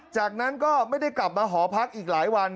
จากนั้นก็ไม่ได้กลับมาหอพักอีกหลายวัน